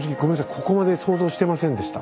ここまで想像してませんでした。